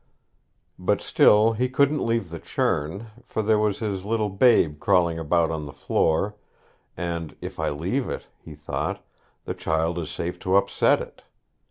But still he couldn't leave the churn, for there was his little babe crawling about on the floor, and "if I leave it", he thought, "the child is safe to upset it".